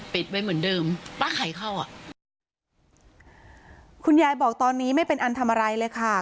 ไว้เหมือนเดิมป้าไข่เข้าอ่ะคุณยายบอกตอนนี้ไม่เป็นอันทำอะไรเลยค่ะ